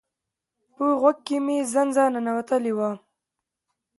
په غوږ کی می زنځه ننوتلی وه